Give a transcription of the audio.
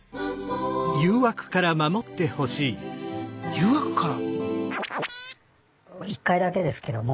誘惑から？